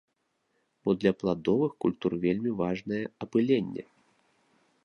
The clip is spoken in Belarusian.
Бо для пладовых культур вельмі важнае апыленне.